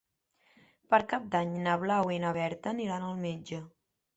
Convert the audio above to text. Per Cap d'Any na Blau i na Berta aniran al metge.